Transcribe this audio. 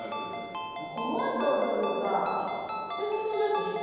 「思わず踊る」がとてつもなく下手。